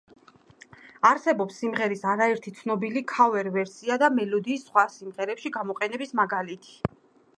არსებობს სიმღერის არაერთი ცნობილი ქავერ-ვერსია და მელოდიის სხვა სიმღერებში გამოყენების მაგალითი.